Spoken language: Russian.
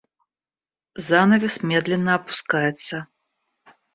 Занавес медленно опускается.